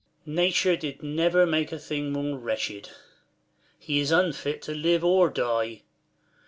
Nature did never make a thing more wretched. He is unfit to live or die.